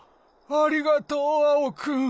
ありがとうアオくん！